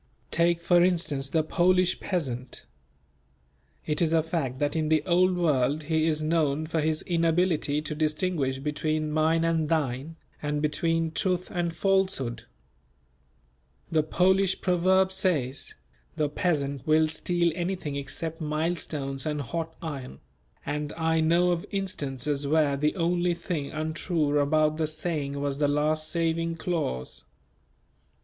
Take for instance the Polish peasant. It is a fact that in the Old World he is known for his inability to distinguish between "mine and thine," and between truth and falsehood. The Polish proverb says: "The peasant will steal anything except millstones and hot iron," and I know of instances where the only thing untrue about the saying was the last saving clause.